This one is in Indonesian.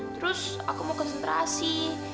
terus aku mau konsentrasi